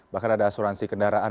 bahkan ada asuransi kendaraan